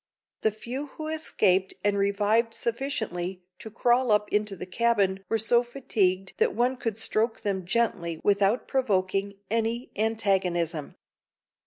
The few who escaped and revived sufficiently to crawl up onto the cabin were so fatigued that one could stroke them gently without provoking any antagonism.